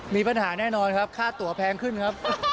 มีปัญหาแน่นอนครับค่าตัวแพงขึ้นครับ